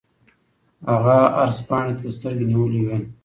هغه عرض پاڼې ته سترګې نیولې وې.